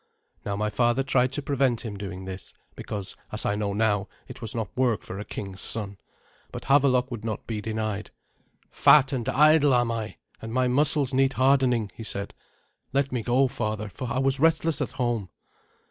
Now my father tried to prevent him doing this, because, as I know now, it was not work for a king's son. But Havelok would not be denied. "Fat and idle am I, and my muscles need hardening," he said. "Let me go, father, for I was restless at home."